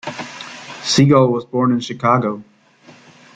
Segall was born in Chicago.